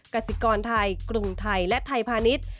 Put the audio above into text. กสิกรไทยกรุงไทยและไทยพาณิชย์